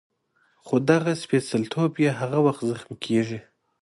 خو دغه سپېڅلتوب یې هغه وخت زخمي کېږي.